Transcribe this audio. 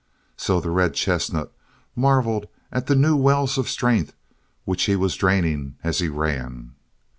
So the red chestnut marvelled at the new wells of strength which he was draining as he ran.